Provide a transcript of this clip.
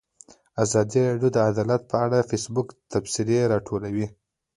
ازادي راډیو د عدالت په اړه د فیسبوک تبصرې راټولې کړي.